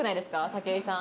武井さん。